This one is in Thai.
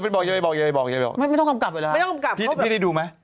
พี่ได้ดูไหม